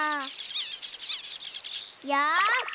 よし！